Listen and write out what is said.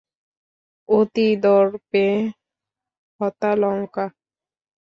অতি দর্পে হতা লঙ্কা।